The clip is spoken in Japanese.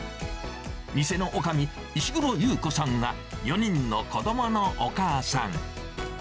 店のおかみ、石黒友子さんは４人の子どものお母さん。